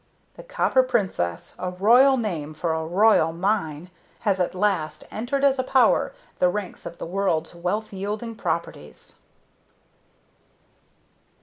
The Copper Princess a royal name for a royal mine has at last entered as a power the ranks of the world's wealth yielding properties.